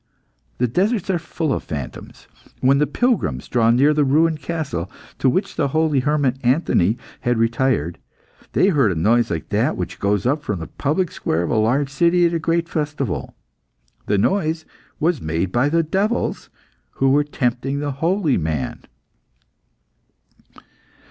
The deserts are full of phantoms. When the pilgrims drew near the ruined castle, to which the holy hermit, Anthony, had retired, they heard a noise like that which goes up from the public square of a large city at a great festival. The noise was made by the devils, who were tempting the holy man.